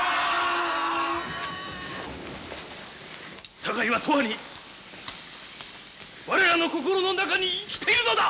堺は永遠に我らの心の中に生きているのだ！